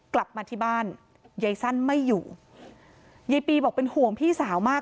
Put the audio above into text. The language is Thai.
กลับมาที่บ้านยายสั้นไม่อยู่ยายปีบอกเป็นห่วงพี่สาวมาก